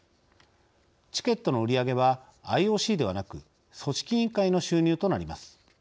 チケットの売り上げはＩＯＣではなく組織委員会の収入となります。